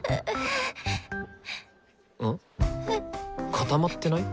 固まってない？